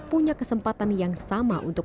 punya kesempatan yang sama untuk